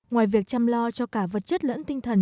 ngoài việc chăm lo cho cả vật chất lẫn tinh thần